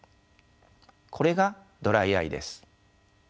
これがドライアイです。